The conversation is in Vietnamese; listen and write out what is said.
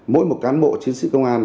mỗi một cán bộ chiến sĩ công an